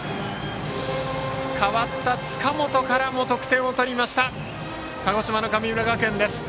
代わった塚本からも得点を取りました鹿児島の神村学園です。